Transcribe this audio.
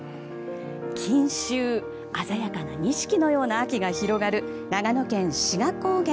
錦秋、鮮やかな錦のような秋が広がる長野県志賀高原。